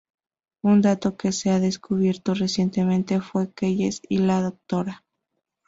Un dato que se ha descubierto recientemente fue que Keyes y la Dra.